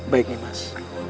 baik nih mas